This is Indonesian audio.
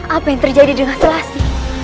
apa yang terjadi dengan selasi